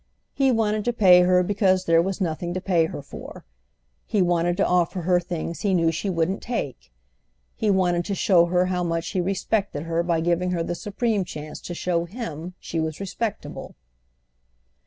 He wanted to pay her because there was nothing to pay her for. He wanted to offer her things he knew she wouldn't take. He wanted to show her how much he respected her by giving her the supreme chance to show him she was respectable.